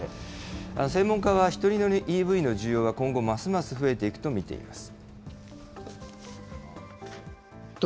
専門家は、１人乗りＥＶの需要は、今後ますます増えていくと見ています。